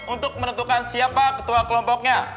untuk menentukan siapa ketua kelompoknya